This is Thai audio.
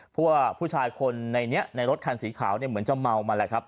เพราะว่าผู้ชายคนในนี้ในรถคันสีขาวเนี่ยเหมือนจะเมามาแหละครับ